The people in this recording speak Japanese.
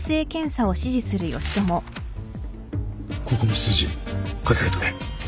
ここの数字書き換えておけ